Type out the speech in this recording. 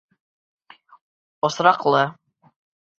Осраҡлы!